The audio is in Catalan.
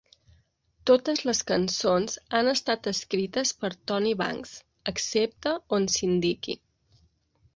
Totes les cançons han estat escrites per Tony Banks, excepte on s'indiqui.